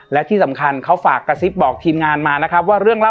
และที่สำคัญเขาฝากกระซิบบอกทีมงานมานะครับว่าเรื่องเล่า